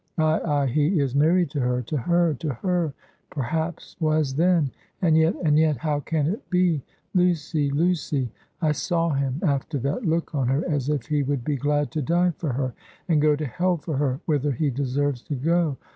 Ay, ay, he is married to her, to her; to her! perhaps was then. And yet, and yet, how can it be? Lucy, Lucy I saw him, after that, look on her as if he would be glad to die for her, and go to hell for her, whither he deserves to go!